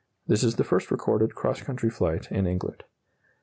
This is the first recorded cross country flight in England.